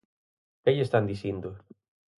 ¿Que lle están dicindo?